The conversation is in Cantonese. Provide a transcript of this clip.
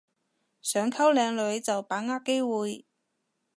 想溝靚女就把握機會